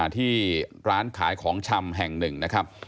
ที่ร้านขายของชำแห่งหนึ่งนะครับ